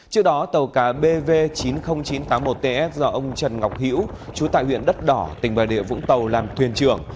trước đó tàu cá bv chín mươi nghìn chín trăm tám mươi một ts do ông trần ngọc hữu chú tại huyện đất đỏ tỉnh bà địa vũng tàu làm thuyền trưởng